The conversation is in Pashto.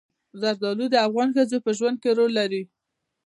زردالو د افغان ښځو په ژوند کې رول لري.